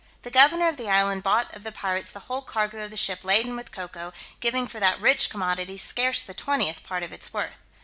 The governor of the island bought of the pirates the whole cargo of the ship laden with cocoa, giving for that rich commodity scarce the twentieth part of its worth.